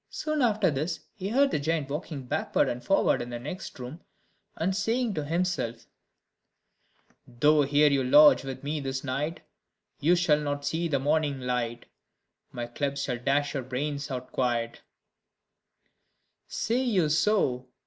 Soon after this, he heard the giant walking backward and forward in the next room, and saying to himself: "Though here you lodge with me this night, You shall not see the morning light; My club shall dash your brains out quite." "Say you so?"